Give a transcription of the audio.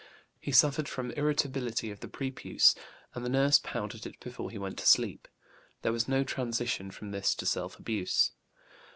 He suffered from; irritability of the prepuce, and the nurse powdered it before he went to sleep. There was no transition from this to self abuse.